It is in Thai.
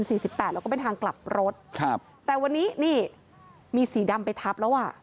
แล้วก็เป็นทางกลับรถแต่วันนี้นี่มีสีดำไปทับแล้ว